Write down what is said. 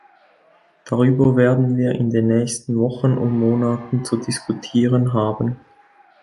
Darüber werden wir in den nächsten Wochen und Monaten zu diskutieren haben.